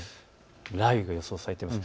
雷雨が予想されています。